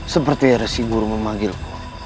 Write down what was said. seperti yang dirasik guru memanggilku